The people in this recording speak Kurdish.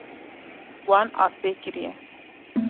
Wan asê kiriye.